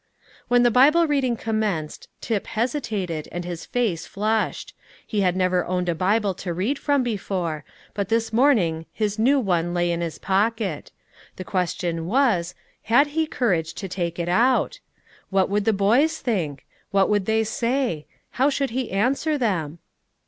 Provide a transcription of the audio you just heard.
When the Bible reading commenced, Tip hesitated, and his face flushed; he had never owned a Bible to read from before, but this morning his new one lay in his pocket. The question was, Had he courage to take it out? What would the boys think? What would they say? How should he answer them?